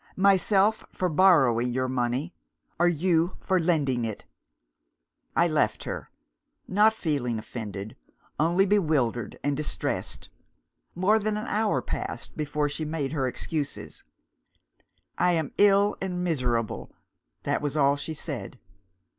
Myself for borrowing your money, or you for lending it.' I left her; not feeling offended, only bewildered and distressed. More than an hour passed before she made her excuses. 'I am ill and miserable' that was all she said.